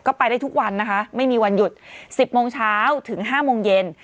ก็ไปได้ทุกวันนะคะไม่มีวันหยุด๑๐โมงเช้าถึง๕โมงเย็น